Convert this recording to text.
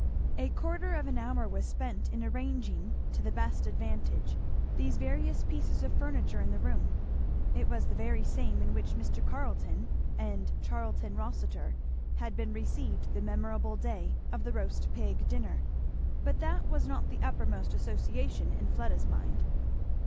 A quarter of an hour was spent in arranging to the best advantage these various pieces of furniture in the room; it was the very same in which Mr. Carleton and Charlton Rossitur had been received the memorable day of the roast pig dinner, but that was not the uppermost association in Fleda's mind.